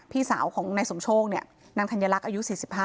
พี่สาวของนายสมโชคเนี่ยนางธัญลักษณ์อายุ๔๕